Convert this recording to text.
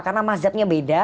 karena masjidnya beda